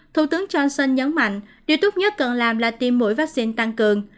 thủ tướng johnson nhấn mạnh điều tốt nhất cần làm là tiêm mũi vaccine tăng cường